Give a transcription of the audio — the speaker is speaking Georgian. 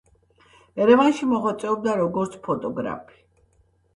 ერევანში მოღვაწეობდა როგორც ფოტოგრაფი.